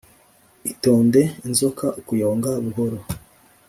itonde inzoka ukuyonga buhoro.